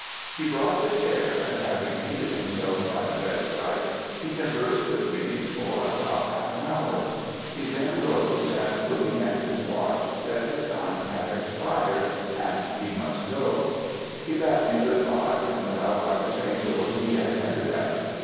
He brought the chair, and having seated himself by the bed side, he conversed with me for about half an hour; he then rose and looking at his watch, said his time had expired and he must go; he bade me good bye and went out by the same door he had entered at.